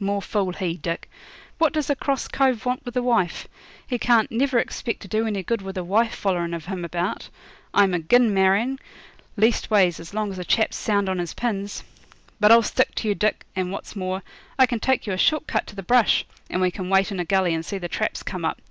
'More fool he, Dick. What does a cross cove want with a wife? He can't never expect to do any good with a wife follerin' of him about. I'm agin marrying, leastways as long as a chap's sound on his pins. But I'll stick to you, Dick, and, what's more, I can take you a short cut to the brush, and we can wait in a gully and see the traps come up.